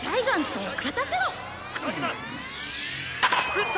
「打った。